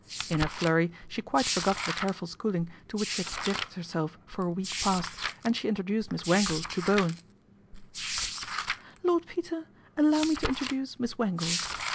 In her flurry she quite forgot the careful schooling to which she had subjected herself for a week past, and she introduced Miss Wangle to Bowen. "Lord Peter, allow me to introduce Miss Wangle.